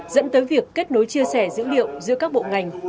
dẫn tới việc kết nối chia sẻ dữ liệu giữa các bộ ngành